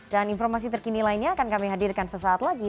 dan informasi terkini lainnya akan kami hadirkan sesaat lagi